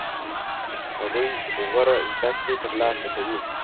هغوی غوره زده کړې ترلاسه کوي.